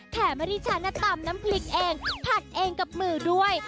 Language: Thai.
แถมที่ฉันตำน้ำพริกเองผัดเองกับมือด้วย